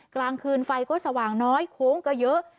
กลางคืนไฟก็สว่างน้อยโค้งก็เยอะ